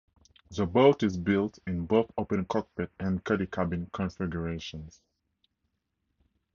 The boat is built in both open cockpit and cuddy cabin configurations.